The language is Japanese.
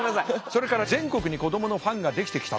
それから全国に子どものファンができてきたと。